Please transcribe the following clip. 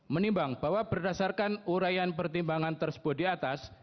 menimbang bahwa berdasarkan urayan pertimbangan tersebut di atas